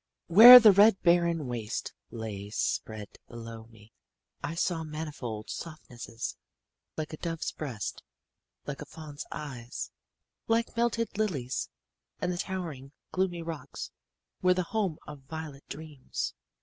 "Where the red barren waste lay spread below me I saw manifold softnesses, like a dove's breast, like a fawn's eyes, like melted lilies, and the towering, gloomy rocks were the home of violet dreams.